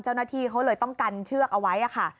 เจ้าหน้าที่เขาเลยต้องกันเชือกเอาไว้ค่ะ